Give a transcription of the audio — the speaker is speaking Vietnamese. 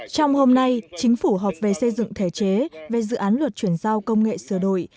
trong hôm nay chính phủ họp về xây dựng thể chế về dự án luật chuyển giao công nghệ sửa đổi